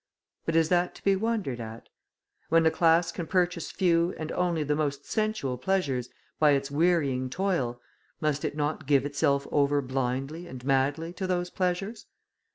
But is that to be wondered at? When a class can purchase few and only the most sensual pleasures by its wearying toil, must it not give itself over blindly and madly to those pleasures?